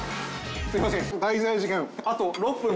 すいません。